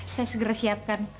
saya segera siapkan